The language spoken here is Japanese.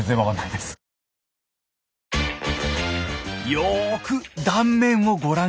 よく断面をご覧下さい。